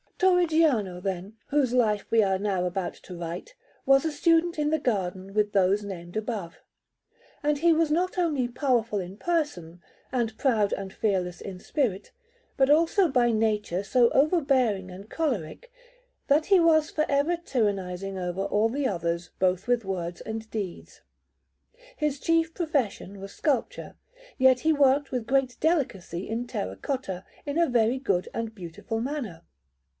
Torrigiano, then, whose Life we are now about to write, was a student in the garden with those named above; and he was not only powerful in person, and proud and fearless in spirit, but also by nature so overbearing and choleric, that he was for ever tyrannizing over all the others both with words and deeds. His chief profession was sculpture, yet he worked with great delicacy in terra cotta, in a very good and beautiful manner.